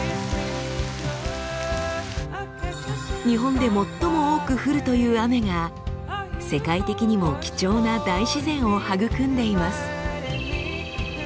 日本で最も多く降るという雨が世界的にも貴重な大自然を育んでいます。